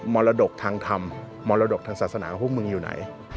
มรดกทางธรรมมรดกทางศาสนาของพวกมึงอยู่ไหน